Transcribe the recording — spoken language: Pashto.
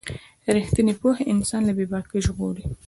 رښتینې پوهه انسان له بې باکۍ ژغوري.